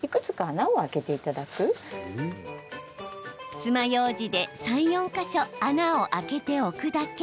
つまようじで３、４か所穴を開けておくだけ。